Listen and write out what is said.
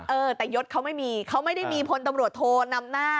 เออแต่ยศเขาไม่มีเขาไม่ได้มีพลตำรวจโทนำหน้า